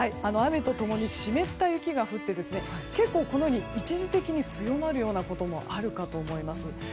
雨と共に湿った雪が降って結構、一時的に強まるようなこともあるかと思います。